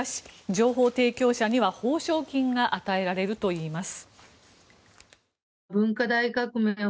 情報提供者には報奨金が与えられるといいます。